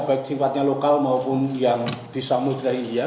baik sifatnya lokal maupun yang di samudera india